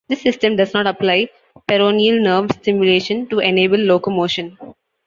This system does not apply peroneal nerve stimulation to enable locomotion.